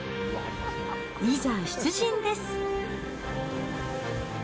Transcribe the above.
いざ、出陣です。